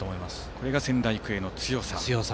これが仙台育英の強さ。